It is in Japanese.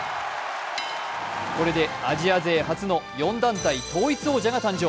これでアジア勢初の４団体王座統一が誕生。